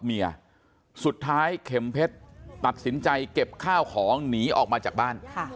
เมียสุดท้ายเข็มเพชรตัดสินใจเก็บข้าวของหนีออกมาจากบ้าน